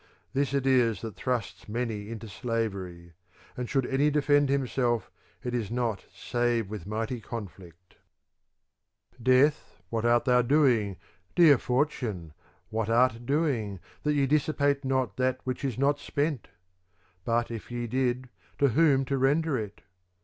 This it is that thrusts many into slavery : and should any defend himself it is not save with mighty conflict. 1 Death. XIV. THE COMPLEMENT OF ODES 415 Death, what art thou doing, dear ^ Fortune, what art doing, that ye dissipate not that which is not spent? But, if ye did, to whom to render it?